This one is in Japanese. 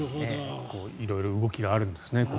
色々動きがあるんですね。